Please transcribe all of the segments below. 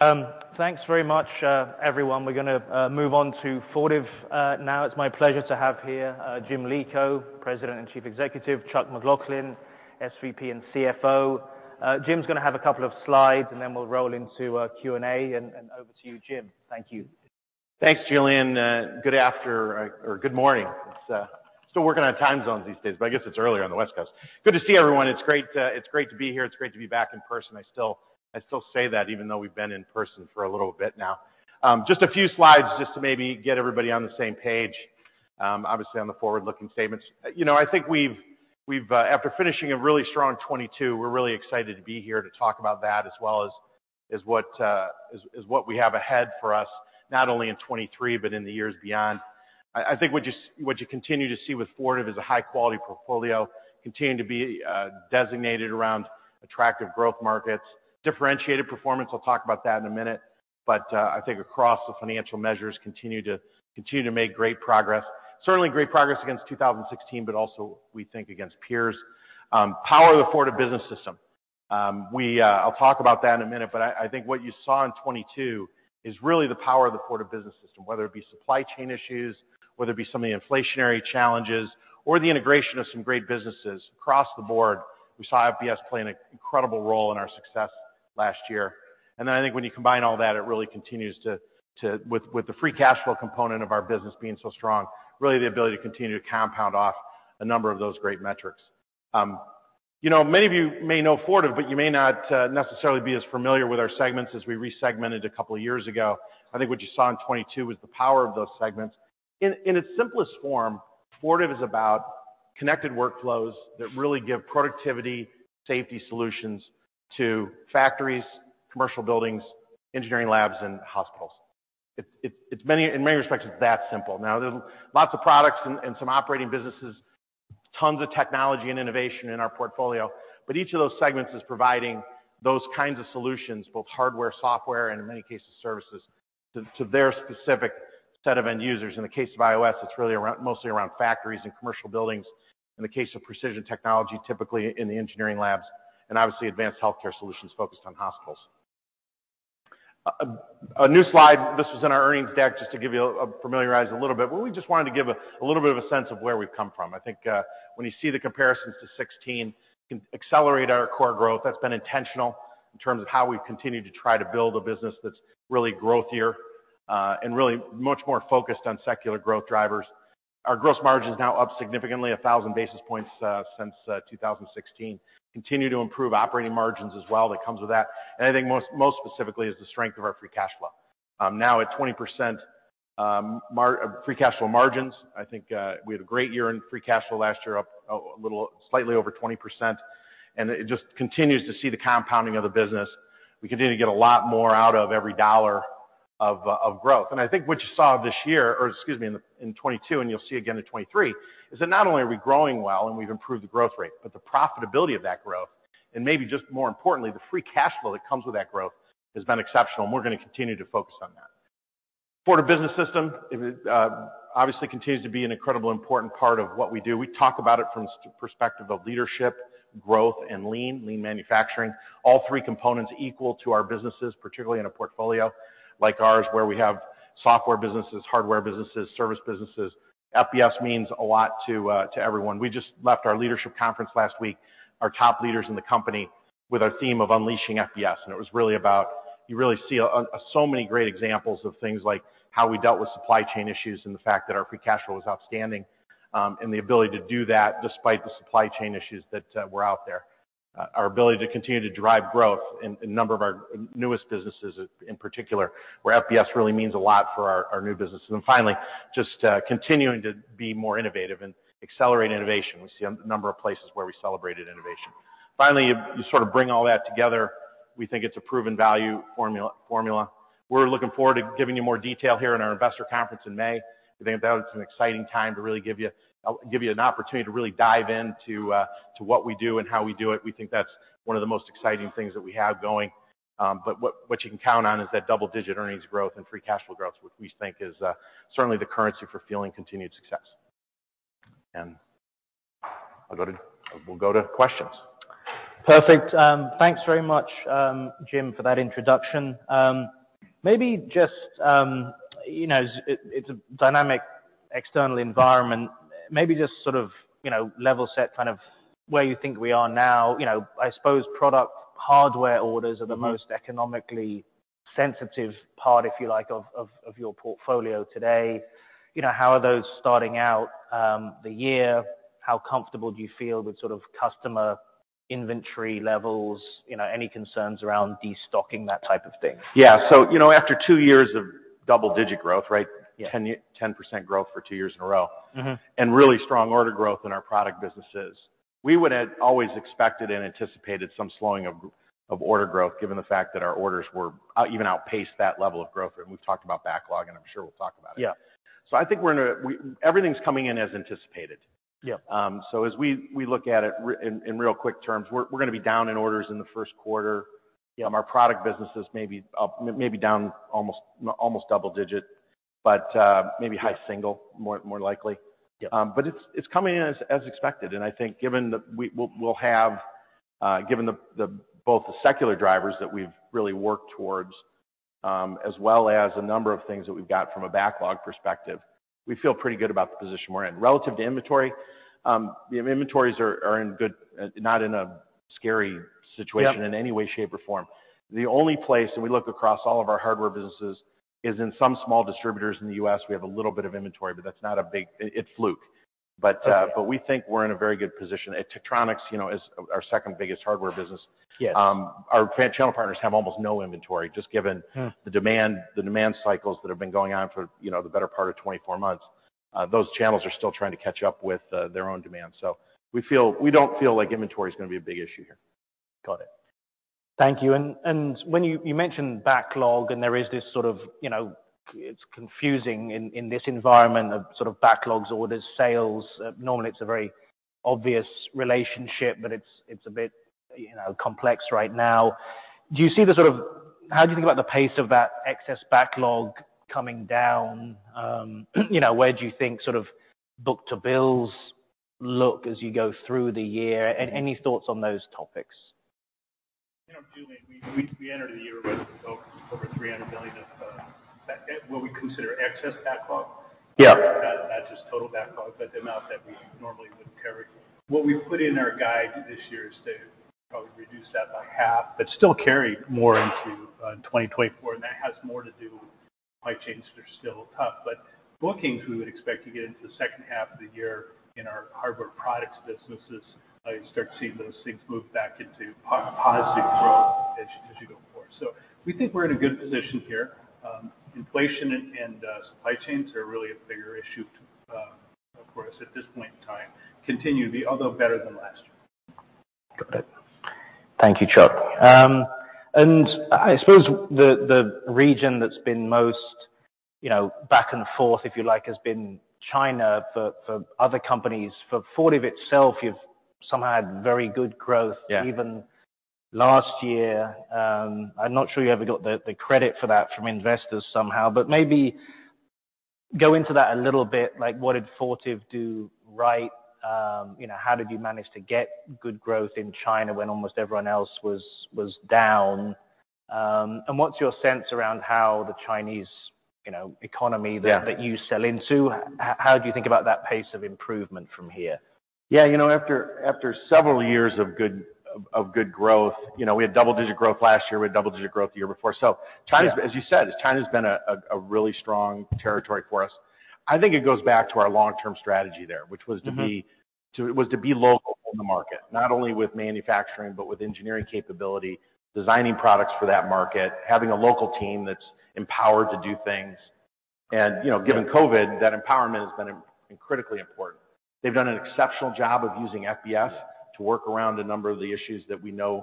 Thanks very much, everyone. We're gonna move on to Fortive now. It's my pleasure to have here James Lico, President and Chief Executive, Chuck McLaughlin, SVP and CFO. James' gonna have a couple of slides, and then we'll roll into a Q&A. Over to you, James. Thank you. Thanks, Julian. Good morning. It's still working on time zones these days, but I guess it's earlier on the West Coast. Good to see everyone. It's great, it's great to be here. It's great to be back in person. I still say that even though we've been in person for a little bit now. Just a few slides just to maybe get everybody on the same page. Obviously on the forward-looking statements. You know, I think we've after finishing a really strong 2022, we're really excited to be here to talk about that as well as what we have ahead for us, not only in 2023, but in the years beyond. I think what you continue to see with Fortive is a high-quality portfolio continuing to be designated around attractive growth markets. Differentiated performance, I'll talk about that in a minute. I think across the financial measures continue to make great progress. Certainly great progress against 2016, but also we think against peers. Power of the Fortive Business System. We, I'll talk about that in a minute, but I think what you saw in 2022 is really the power of the Fortive Business System, whether it be supply chain issues, whether it be some of the inflationary challenges or the integration of some great businesses across the board. We saw FBS play an incredible role in our success last year. I think when you combine all that, it really continues to with the free cash flow component of our business being so strong, really the ability to continue to compound off a number of those great metrics. You know, many of you may know Fortive, but you may not necessarily be as familiar with our segments as we resegmented a couple of years ago. I think what you saw in 2022 was the power of those segments. In its simplest form, Fortive is about connected workflows that really give productivity safety solutions to factories, commercial buildings, engineering labs, and hospitals. It's many in many respects, it's that simple. There's lots of products and some operating businesses, tons of technology and innovation in our portfolio, but each of those segments is providing those kinds of solutions, both hardware, software, and in many cases, services to their specific set of end users. In the case of IOS, it's really mostly around factories and commercial buildings. In the case of Precision Technology, typically in the engineering labs, obviously Advanced Healthcare Solutions focused on hospitals. A new slide. This was in our earnings deck, just to give you a familiarize a little bit. We just wanted to give a little bit of a sense of where we've come from. I think, when you see the comparisons to 2016, you can accelerate our core growth. That's been intentional in terms of how we've continued to try to build a business that's really growthier and really much more focused on secular growth drivers. Our gross margin is now up significantly, 1,000 basis points since 2016. Continue to improve operating margins as well, that comes with that. I think most specifically is the strength of our free cash flow. Now at 20% free cash flow margins. I think we had a great year in free cash flow last year, up a little, slightly over 20%. It just continues to see the compounding of the business. We continue to get a lot more out of every dollar of growth. I think what you saw this year, or excuse me, in 2022 and you'll see again in 2023, is that not only are we growing well and we've improved the growth rate, but the profitability of that growth, and maybe just more importantly, the free cash flow that comes with that growth has been exceptional, and we're gonna continue to focus on that. Fortive Business System, it obviously continues to be an incredible important part of what we do. We talk about it from perspective of leadership, growth, and lean manufacturing. All three components equal to our businesses, particularly in a portfolio like ours, where we have software businesses, hardware businesses, service businesses. FBS means a lot to everyone. We just left our leadership conference last week, our top leaders in the company, with our theme of unleashing FBS. It was really about... You really see so many great examples of things like how we dealt with supply chain issues and the fact that our free cash flow is outstanding, and the ability to do that despite the supply chain issues that were out there. Our ability to continue to drive growth in a number of our newest businesses in particular, where FBS really means a lot for our new businesses. Finally, just continuing to be more innovative and accelerate innovation. We see a number of places where we celebrated innovation. Finally, you sort of bring all that together. We think it's a proven value formula. We're looking forward to giving you more detail here in our investor conference in May. We think that it's an exciting time to really give you, give you an opportunity to really dive into, to what we do and how we do it. We think that's one of the most exciting things that we have going. What you can count on is that double-digit earnings growth and free cash flow growth, which we think is certainly the currency for fueling continued success. We'll go to questions. Perfect. Thanks very much, James, for that introduction. Maybe just, you know, it's a dynamic external environment. Maybe just sort of, you know, level set kind of where you think we are now. You know, I suppose product hardware orders are the most economically sensitive part, if you like, of your portfolio today. You know, how are those starting out, the year? How comfortable do you feel with sort of customer inventory levels? You know, any concerns around destocking, that type of thing? Yeah. you know, after two years of double-digit growth, right? Yeah. 10% growth for two years in a row. Really strong order growth in our product businesses. We would have always expected and anticipated some slowing of order growth given the fact that our orders even outpaced that level of growth. We've talked about backlog, and I'm sure we'll talk about it. Yeah. I think everything's coming in as anticipated. Yeah. As we look at it in real quick terms, we're gonna be down in orders in the first quarter. Yeah. Our product businesses may be down almost double digit. Maybe high single more likely. Yeah. It's coming in as expected. I think given that we'll have given the both the secular drivers that we've really worked towards, as well as a number of things that we've got from a backlog perspective, we feel pretty good about the position we're in. Relative to inventory, the inventories are in good. Not in a scary situation. Yeah. -In any way, shape, or form. The only place, and we look across all of our hardware businesses, is in some small distributors in the U.S., we have a little bit of inventory, it's Fluke. Okay. We think we're in a very good position. At Tektronix, you know, as our second-biggest hardware business- Yes. Our channel partners have almost no inventory, just given. The demand cycles that have been going on for, you know, the better part of 24 months. Those channels are still trying to catch up with, their own demand. We don't feel like inventory is gonna be a big issue here. Got it. Thank you. When you mentioned backlog, and there is this sort of, you know, it's confusing in this environment of sort of backlogs, orders, sales. Normally, it's a very obvious relationship, but it's a bit, you know, complex right now. How do you think about the pace of that excess backlog coming down? You know, where do you think sort of book-to-bill look as you go through the year? Any thoughts on those topics? You know, Julian, we entered the year with over $300 million of what we consider excess backlog. Yeah. Not just total backlog, but the amount that we normally would carry. What we put in our guide this year is to probably reduce that by half, but still carry more into 2024. That has more to do with supply chains that are still tough. Bookings, we would expect to get into the second half of the year in our hardware products businesses, you start seeing those things move back into positive growth as you go forward. We think we're in a good position here. Inflation and supply chains are really a bigger issue, of course, at this point in time, continue to be, although better than last year. Got it. Thank you, Chuck. I suppose the region that's been most, you know, back and forth, if you like, has been China for other companies. For Fortive itself, you've somehow had very good growth. Yeah. -Even last year. I'm not sure you ever got the credit for that from investors somehow. Maybe go into that a little bit, like, what did Fortive do right? You know, how did you manage to get good growth in China when almost everyone else was down? What's your sense around how the Chinese, you know, economy- Yeah. That you sell into, how do you think about that pace of improvement from here? Yeah, you know, after several years of good growth, you know, we had double-digit growth last year, we had double-digit growth the year before. Yeah. As you said, China's been a really strong territory for us. I think it goes back to our long-term strategy there, which was. It was to be local in the market, not only with manufacturing, but with engineering capability, designing products for that market, having a local team that's empowered to do things. You know, given COVID, that empowerment has been critically important. They've done an exceptional job of using FBS... Yeah. -To work around a number of the issues that we know.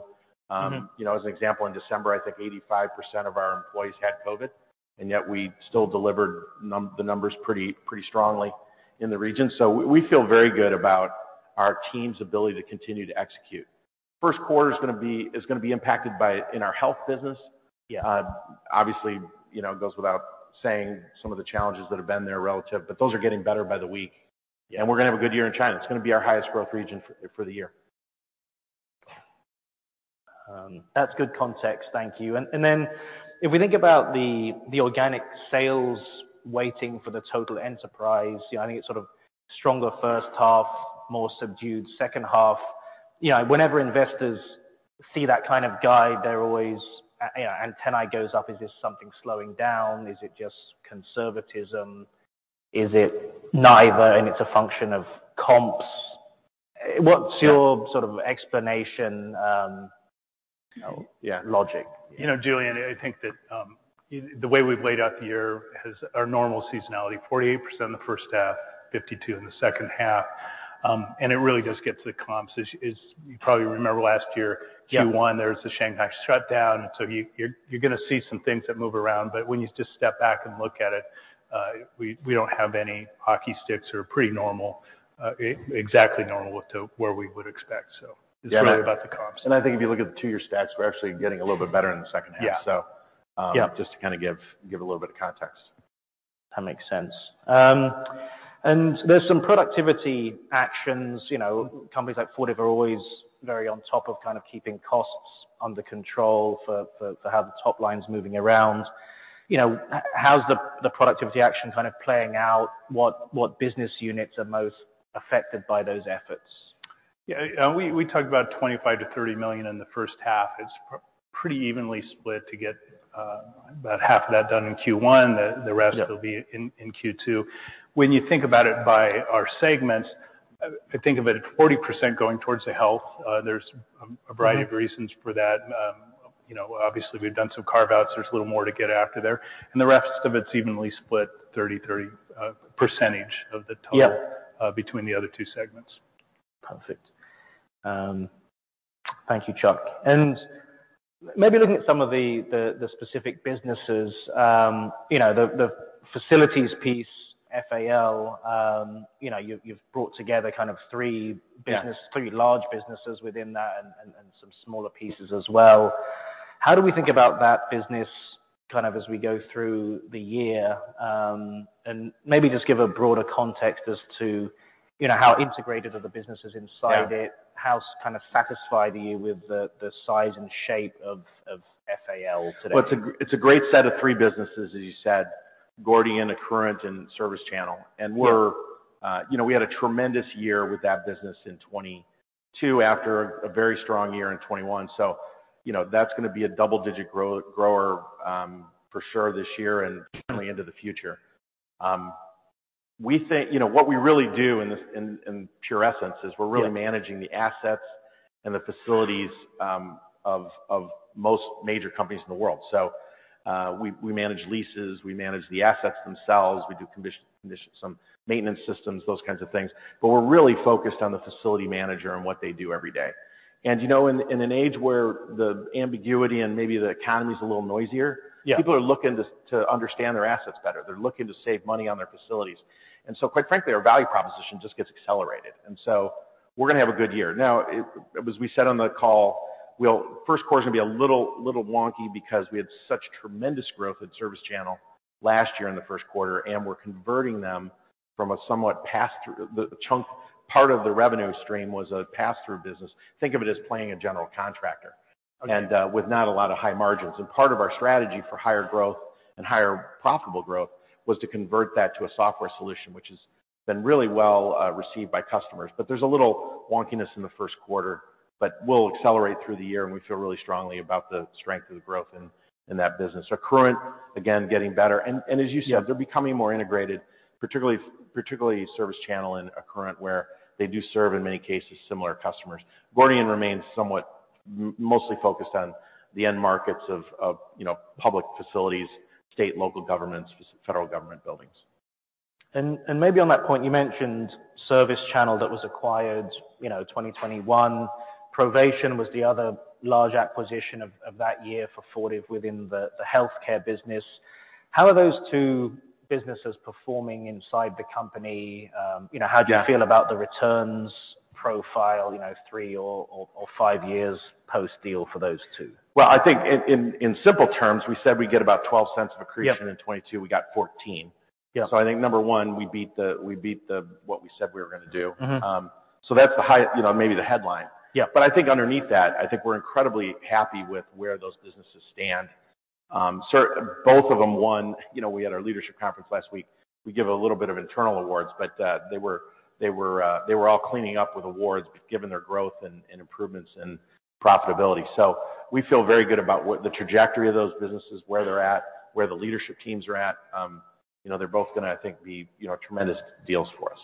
You know, as an example, in December, I think 85% of our employees had COVID. Yet we still delivered the numbers pretty strongly in the region. We feel very good about our team's ability to continue to execute. First quarter is gonna be impacted by in our health business. Yeah. Obviously, you know, it goes without saying some of the challenges that have been there relative, but those are getting better by the week. Yeah. We're gonna have a good year in China. It's gonna be our highest growth region for the year. That's good context. Thank you. If we think about the organic sales waiting for the total enterprise, you know, I think it's sort of stronger first half, more subdued second half. Whenever investors see that kind of guide, they're always, you know, antennae goes up. Is this something slowing down? Is it just conservatism? Is it neither and it's a function of comps? Yeah. What's your sort of explanation, you know, yeah, logic? You know, Julian, I think that, you know, the way we've laid out the year has our normal seasonality, 48% in the first half, 52% in the second half. It really just gets to the comps. Is you probably remember last year. Yeah. Q1, there was the Shanghai shutdown. You're gonna see some things that move around. When you just step back and look at it, we don't have any hockey sticks. We're pretty normal, exactly normal to where we would expect. It's really about the comps. Yeah. I think if you look at the two-year stats, we're actually getting a little bit better in the second half. Yeah. So, um- Yeah. Just to kind of give a little bit of context. That makes sense. There's some productivity actions. You know, companies like Fortive are always very on top of kind of keeping costs under control for how the top line's moving around. You know, how's the productivity action kind of playing out? What business units are most affected by those efforts? Yeah. We talked about $25 million-$30 million in the first half. It's pretty evenly split to get about half of that done in Q1. The rest. Yeah. -Will be in Q2. When you think about it by our segments, I think of it at 40% going towards the health. There's a variety of reasons for that. You know, obviously, we've done some carve-outs. There's a little more to get after there. The rest of it's evenly split 30-30 percentage of the total- Yeah. Between the other two segments. Perfect. thank you, Chuck. Maybe looking at some of the specific businesses, you know, the facilities piece, FAL, you know, you've brought together kind of three business- Yeah. Three large businesses within that and some smaller pieces as well. How do we think about that business kind of as we go through the year? And maybe just give a broader context as to, you know, how integrated are the businesses inside it. Yeah. How kind of satisfied are you with the size and shape of FAL today? Well, it's a great set of three businesses, as you said, Gordian, Accruent, and ServiceChannel. Yeah. We're, you know, we had a tremendous year with that business in 2022 after a very strong year in 2021. You know, that's gonna be a double-digit grower for sure this year and certainly into the future. You know, what we really do in this, in pure essence is we're really. Yeah. Managing the assets and the facilities of most major companies in the world. We manage leases, we manage the assets themselves, we do commission some maintenance systems, those kinds of things. We're really focused on the facility manager and what they do every day. You know, in an age where the ambiguity and maybe the economy is a little noisier. Yeah.... People are looking to understand their assets better. They're looking to save money on their facilities. Quite frankly, our value proposition just gets accelerated. We're gonna have a good year. Now, it, as we said on the call, we'll first quarter is gonna be a little wonky because we had such tremendous growth at ServiceChannel last year in the first quarter, and we're converting them from a somewhat pass-through. Part of the revenue stream was a pass-through business. Think of it as playing a general contractor. Okay. With not a lot of high margins. Part of our strategy for higher growth and higher profitable growth was to convert that to a software solution, which has been really well received by customers. There's a little wonkiness in the first quarter. We'll accelerate through the year, and we feel really strongly about the strength of the growth in that business. Accruent, again, getting better. As you said- Yeah.... They're becoming more integrated, particularly ServiceChannel and Accruent, where they do serve, in many cases, similar customers. Gordian remains somewhat mostly focused on the end markets of, you know, public facilities, state, local governments, federal government buildings. Maybe on that point, you mentioned ServiceChannel that was acquired, you know, 2021. Provation was the other large acquisition of that year for Fortive within the healthcare business. How are those two businesses performing inside the company? you know Yeah.... How do you feel about the returns profile, you know, three or five years post-deal for those two? Well, I think in simple terms, we said we'd get about $0.12 of accretion. Yeah.... In 2022, we got 14. Yeah. I think, number one, we beat the, what we said we were gonna do. That's the high, you know, maybe the headline. Yeah. I think underneath that, I think we're incredibly happy with where those businesses stand. Both of them won. You know, we had our leadership conference last week. We give a little bit of internal awards, but they were all cleaning up with awards given their growth and improvements and profitability. We feel very good about what the trajectory of those businesses, where they're at, where the leadership teams are at. You know, they're both gonna, I think, be, you know, tremendous deals for us.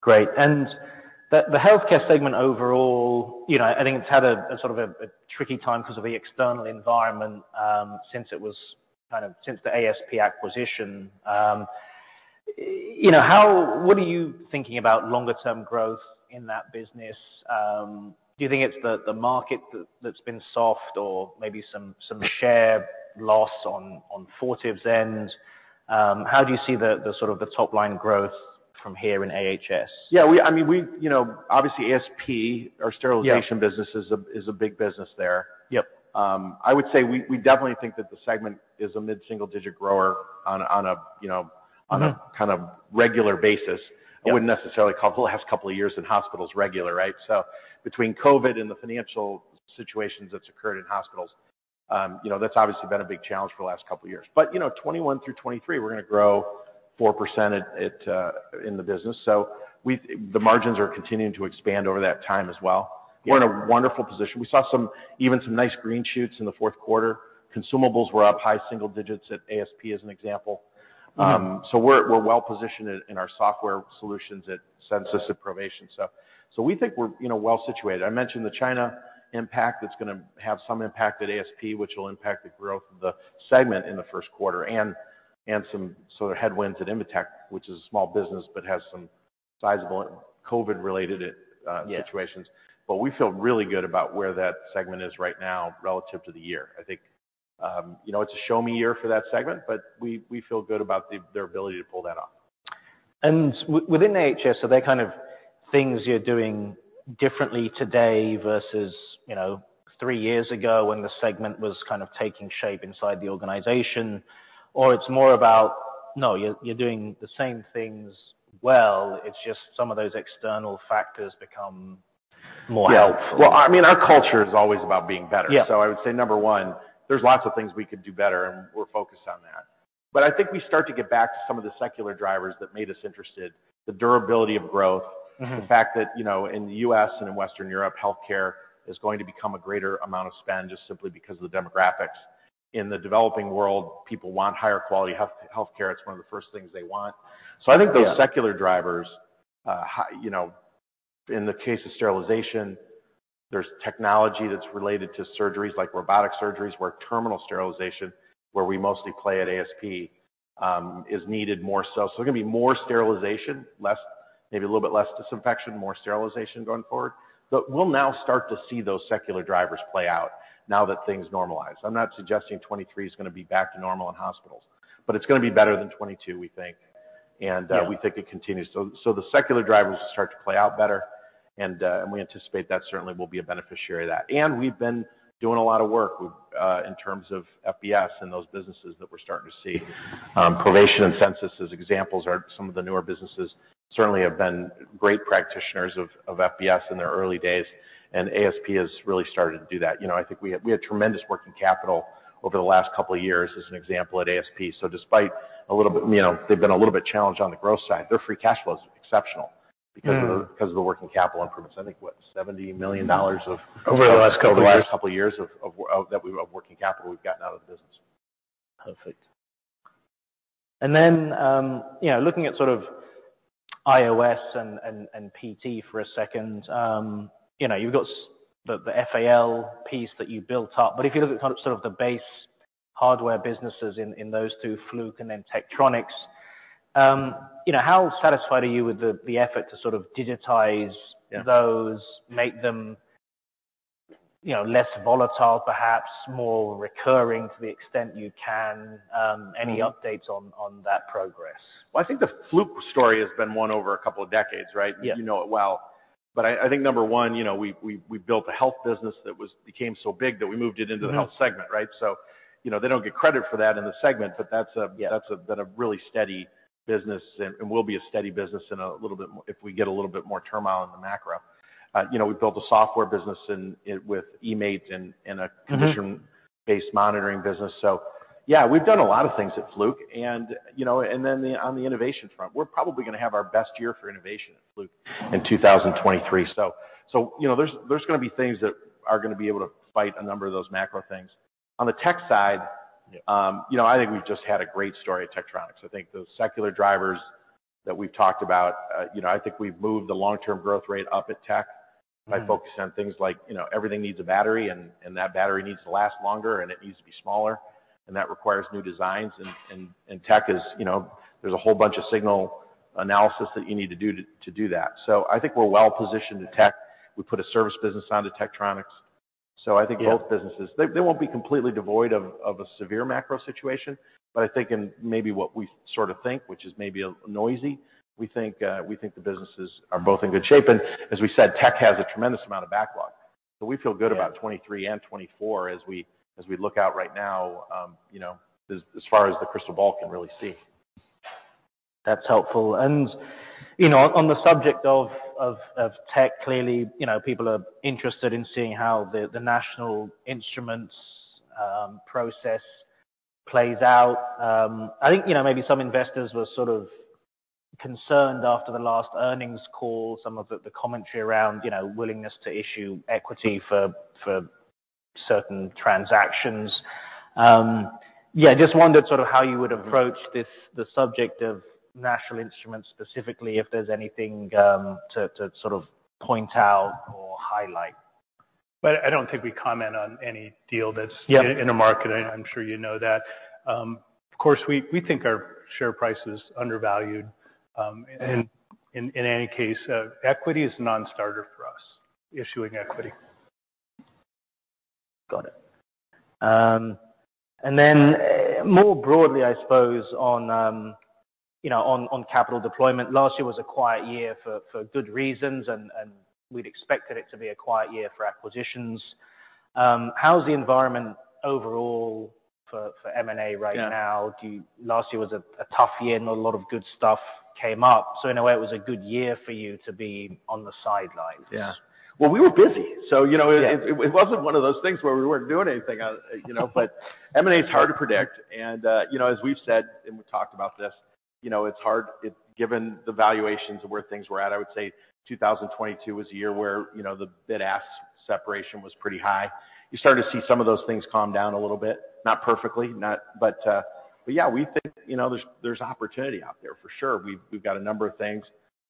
Great. The, the healthcare segment overall, you know, I think it's had a sort of a tricky time 'cause of the external environment, since the ASP acquisition. You know, what are you thinking about longer term growth in that business? Do you think it's the market that's been soft or maybe some share loss on Fortive's end? How do you see the sort of the top line growth from here in AHS? Yeah, I mean, You know, obviously, ASP. Yeah.... Business is a big business there. Yep. I would say we definitely think that the segment is a mid-single digit grower on a. On a kind of regular basis. Yeah. I wouldn't necessarily call the last couple of years in hospitals regular, right? Between COVID and the financial situations that's occurred in hospitals, you know, that's obviously been a big challenge for the last couple of years. You know, 2021 through 2023, we're gonna grow 4% at in the business. The margins are continuing to expand over that time as well. Yeah. We're in a wonderful position. We saw some, even some nice green shoots in the fourth quarter. Consumables were up high single digits at ASP, as an example. We're well-positioned in our software solutions at Censis and Provation. We think we're, you know, well-situated. I mentioned the China impact that's gonna have some impact at ASP, which will impact the growth of the segment in the first quarter, and some sort of headwinds at Invetech, which is a small business, but has some sizable COVID-related. Yeah.... Situations. We feel really good about where that segment is right now relative to the year. I think, you know, it's a show me year for that segment, but we feel good about the, their ability to pull that off. Within AHS, are there kind of things you're doing differently today versus, you know, three years ago when the segment was kind of taking shape inside the organization? Or it's more about, no, you're doing the same things well, it's just some of those external factors become more helpful? Yeah. Well, I mean, our culture is always about being better. Yeah. I would say, number 1, there's lots of things we could do better, and we're focused on that. I think we start to get back to some of the secular drivers that made us interested, the durability of growth. The fact that, you know, in the U.S. and in Western Europe, healthcare is going to become a greater amount of spend just simply because of the demographics. In the developing world, people want higher quality healthcare. It's one of the first things they want. Yeah. I think those secular drivers, you know, in the case of sterilization, there's technology that's related to surgeries like robotic surgeries, where Terminal Sterilization, where we mostly play at ASP, is needed more so. There's gonna be more sterilization, maybe a little bit less disinfection, more sterilization going forward. We'll now start to see those secular drivers play out now that things normalize. I'm not suggesting 2023 is gonna be back to normal in hospitals, but it's gonna be better than 2022, we think. We think it continues. The secular drivers start to play out better and we anticipate that certainly we'll be a beneficiary of that. We've been doing a lot of work with in terms of FBS and those businesses that we're starting to see. Provation and Censis as examples are some of the newer businesses certainly have been great practitioners of FBS in their early days, and ASP has really started to do that. You know, I think we had, we had tremendous working capital over the last couple of years as an example at ASP. Despite a little bit, you know, they've been a little bit challenged on the growth side, their free cash flow is exceptional. -Because of the working capital improvements. I think, what, $70 million of- Over the last couple of years. Over the last couple of years of working capital we've gotten out of the business. Perfect. You know, looking at sort of IOS and PT for a second, you know, you've got the FAL piece that you built up. You look at kind of, sort of the base hardware businesses in those two, Fluke and then Tektronix, you know, how satisfied are you with the effort to sort of digitize. Yeah. -Those, make them, you know, less volatile, perhaps more recurring to the extent you can? Any updates on that progress? Well, I think the Fluke story has been won over a couple of decades, right? Yeah. You know it well. I think number one, you know, we built a health business that was became so big that we moved it into the health segment, right? You know, they don't get credit for that in the segment, but that's a- Yeah. That's been a really steady business and will be a steady business in a little bit more if we get a little bit more turmoil in the macro. You know, we built a software business in, with eMaint. Condition-Based Monitoring business. Yeah, we've done a lot of things at Fluke and, you know, and then on the innovation front, we're probably gonna have our best year for innovation at Fluke in 2023. You know, there's gonna be things that are gonna be able to fight a number of those macro things. On the tech side. Yeah. You know, I think we've just had a great story at Tektronix. I think those secular drivers that we've talked about, you know, I think we've moved the long-term growth rate up at. -By focusing on things like, you know, everything needs a battery and that battery needs to last longer, and it needs to be smaller, and that requires new designs. Tech is you know, there's a whole bunch of signal analysis that you need to do to do that. I think we're well positioned to tech. We put a service business onto Tektronix. I think both. Yeah. Businesses. They won't be completely devoid of a severe macro situation. I think in maybe what we sort of think, which is maybe noisy, we think the businesses are both in good shape. As we said, Tech has a tremendous amount of backlog. We feel good about. Yeah. 23 and 24 as we look out right now, you know, as far as the crystal ball can really see. That's helpful. You know, on the subject of tech, clearly, you know, people are interested in seeing how the National Instruments process plays out. I think, you know, maybe some investors were sort of concerned after the last earnings call, some of the commentary around, you know, willingness to issue equity for certain transactions. Yeah, just wondered sort of how you would approach this, the subject of National Instruments specifically, if there's anything to sort of point out or highlight. I don't think we comment on any deal that's. Yeah. In the market. I'm sure you know that. Of course, we think our share price is undervalued. In any case, equity is non-starter for us. Issuing equity. Got it. More broadly, I suppose, on, you know, on capital deployment. Last year was a quiet year for good reasons, we'd expected it to be a quiet year for acquisitions. How's the environment overall for M&A right now? Yeah. Last year was a tough year, and a lot of good stuff came up, so in a way it was a good year for you to be on the sidelines. Yeah. Well, we were busy, so you know... Yeah. It wasn't one of those things where we weren't doing anything, you know. M&A is hard to predict and, you know, as we've said, and we've talked about this, you know, it's hard given the valuations of where things were at. I would say 2022 was a year where, you know, the bid-ask separation was pretty high. You start to see some of those things calm down a little bit. Not perfectly, not. Yeah, we think, you know, there's opportunity out there for sure. We've, we've got a number of things,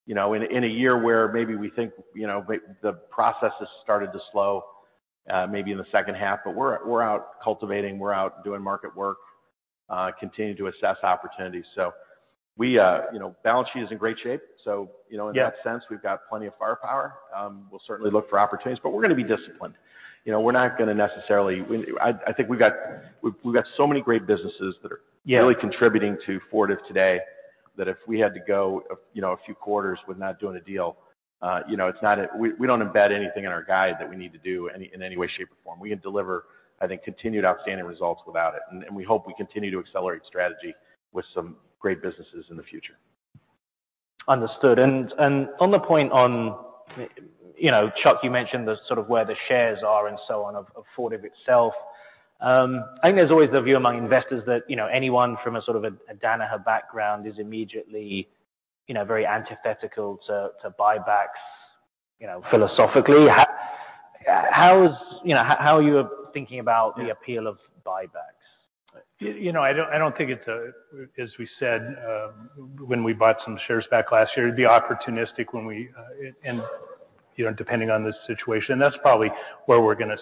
you know, in a year where maybe we think, you know, the process has started to slow, maybe in the second half, but we're out cultivating, we're out doing market work, continuing to assess opportunities. We, you know, balance sheet is in great shape. You know. Yeah. -In that sense, we've got plenty of firepower. We'll certainly look for opportunities. We're gonna be disciplined. You know, we're not gonna necessarily... I think we've got so many great businesses that are. Yeah. -Really contributing to Fortive today, that if we had to go, you know, a few quarters with not doing a deal, you know. We don't embed anything in our guide that we need to do in any way, shape, or form. We can deliver, I think, continued outstanding results without it. We hope we continue to accelerate strategy with some great businesses in the future. Understood. And on the point on, you know, Chuck, you mentioned the sort of where the shares are and so on, of Fortive itself. I think there's always the view among investors that, you know, anyone from a sort of a Danaher background is immediately, you know, very antithetical to buybacks, you know, philosophically. You know, how are you thinking about? Yeah. The appeal of buybacks? You, you know, I don't think it's a. As we said, when we bought some shares back last year, it'd be opportunistic when we, and, you know, depending on the situation. That is where we're gonna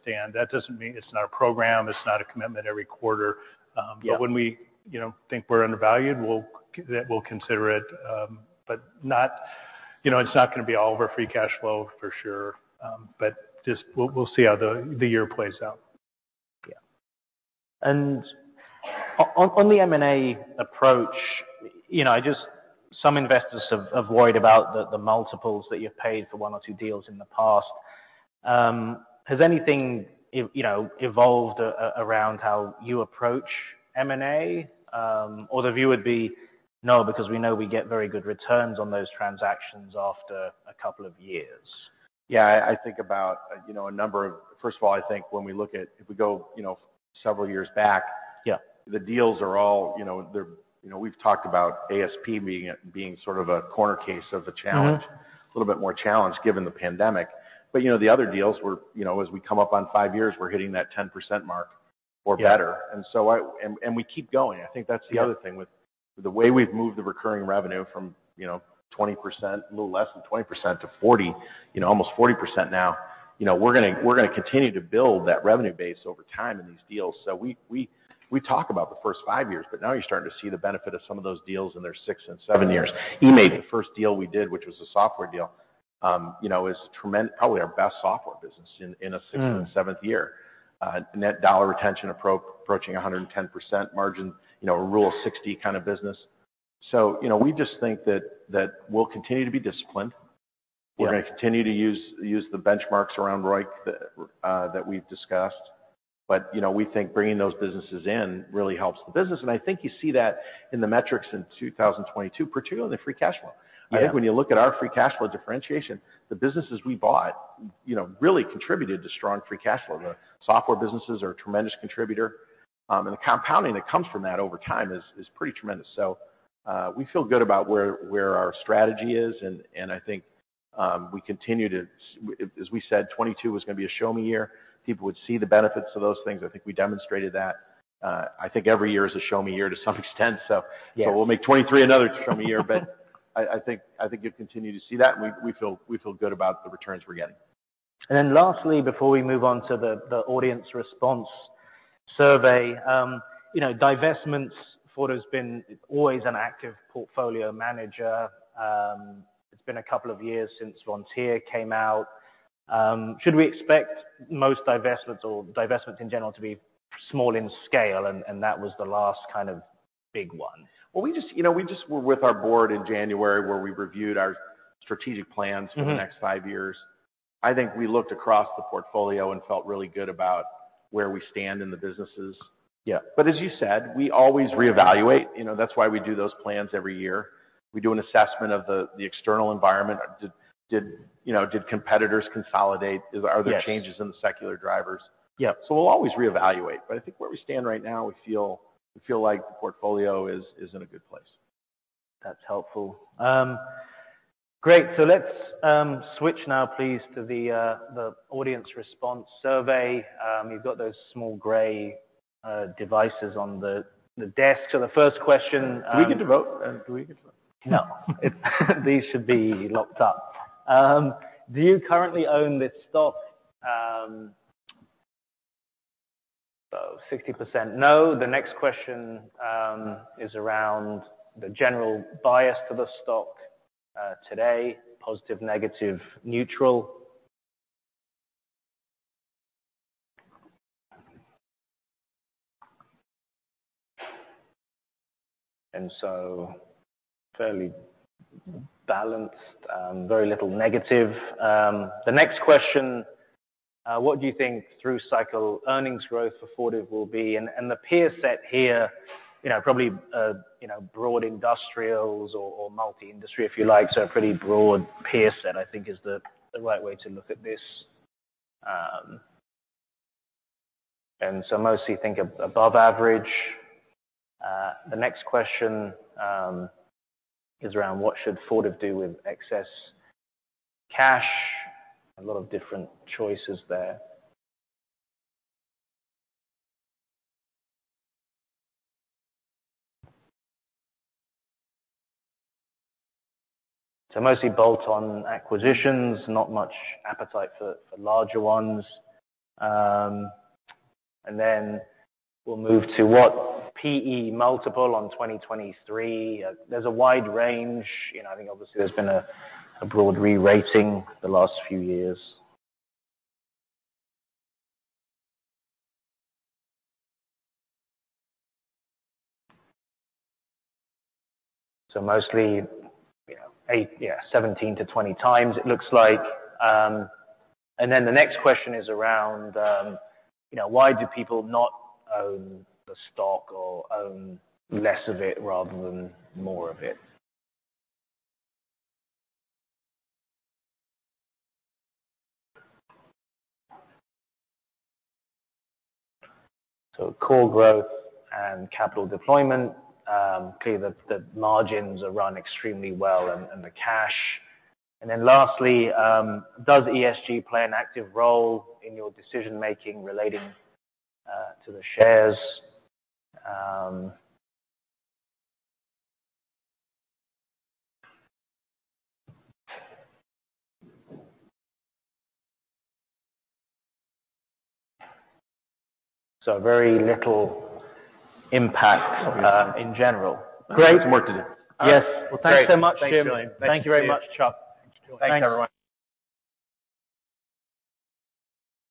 stand. That doesn't mean it's not a program. It's not a commitment every quarter. Yeah. When we, you know, think we're undervalued, we'll consider it. Not, you know, it's not gonna be all of our free cash flow for sure. Just we'll see how the year plays out. Yeah. On the M&A approach, you know, some investors have worried about the multiples that you've paid for one or two deals in the past. Has anything you know, evolved around how you approach M&A? The view would be, "No, because we know we get very good returns on those transactions after a couple of years. Yeah. I think about, you know. First of all, I think when we look at if we go, you know, several years back... Yeah. The deals are all, you know, they're. You know, we've talked about ASP being sort of a corner case of a challenge. A little bit more challenged given the pandemic. You know, the other deals were, you know, as we come up on five years, we're hitting that 10% mark or better. Yeah. We keep going. I think that's the other thing with the way we've moved the recurring revenue from, you know, 20%, a little less than 20% to 40%, you know, almost 40% now. You know, we're gonna continue to build that revenue base over time in these deals. we talk about the first five years, but now you're starting to see the benefit of some of those deals in their sixth and seventh years. eMaint, the first deal we did, which was a software deal, you know, is probably our best software business in a sixth and seventh year. Net Dollar Retention approaching 110% margin, you know, a Rule of 60 kind of business. you know, we just think that we'll continue to be disciplined. Yeah. We're gonna continue to use the benchmarks around ROIC that we've discussed. You know, we think bringing those businesses in really helps the business. I think you see that in the metrics in 2022, particularly in the free cash flow. Yeah. I think when you look at our free cash flow differentiation, the businesses we bought, you know, really contributed to strong free cash flow. The software businesses are a tremendous contributor, and the compounding that comes from that over time is pretty tremendous. We feel good about where our strategy is, and I think we continue to As we said, 22 was gonna be a show-me year. People would see the benefits of those things. I think we demonstrated that. I think every year is a show-me year to some extent. Yeah. We'll make 23 another show-me year. I think you'll continue to see that, and we feel good about the returns we're getting. Lastly, before we move on to the audience response survey. You know, divestments, Fortive's been always an active portfolio manager. It's been a couple of years since Vontier came out. Should we expect most divestments or divestments in general to be small in scale, and that was the last kind of big one? Well, we just, you know, we just were with our board in January, where we reviewed our strategic plans. For the next five years. I think we looked across the portfolio and felt really good about where we stand in the businesses. Yeah. As you said, we always reevaluate. You know, that's why we do those plans every year. We do an assessment of the external environment. Did, you know, did competitors consolidate? Yes. Are there changes in the secular drivers? Yeah. we'll always reevaluate, but I think where we stand right now, we feel like the portfolio is in a good place. That's helpful. Great. Let's switch now please to the audience response survey. You've got those small gray devices on the desk. The first question. Do we get to vote? No. These should be locked up. Do you currently own this stock? 60% no. The next question is around the general bias for the stock today, positive, negative, neutral. Fairly balanced, very little negative. The next question, what do you think through cycle earnings growth for Fortive will be? The peer set here, you know, probably, you know, broad industrials or multi-industry if you like. A pretty broad peer set I think is the right way to look at this. Mostly think above average. The next question is around what should Fortive do with excess cash? A lot of different choices there. Mostly bolt-on acquisitions, not much appetite for larger ones. We'll move to what PE multiple on 2023. There's a wide range. You know, I think obviously there's been a broad re-rating the last few years. Mostly, you know, 17 to 20 times it looks like. The next question is around, you know, why do people not own the stock or own less of it rather than more of it? Core growth and capital deployment. Clearly the margins are run extremely well and the cash. Lastly, does ESG play an active role in your decision-making relating to the shares? Very little impact in general. Great. We have some work to do. Yes. Well, thanks so much, James. Great. Thanks, Julian. Thank you very much, Chuck. Thanks, Julian. Thanks, everyone.